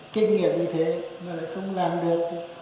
kinh nghiệp như thế nó lại không làm được